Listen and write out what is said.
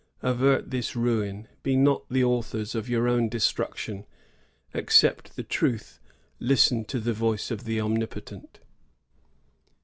Avert this ruin; be not the authors of your own destruction ; accept the truth ; listen to the voice of the Omnipotent.''